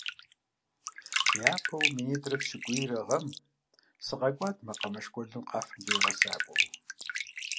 Япэу минитӀрэ пщӀыкӀуирэ гъэм сыкъэкӀуат макъамэ школым къафэмкӀэ и гъэсакӀуэу.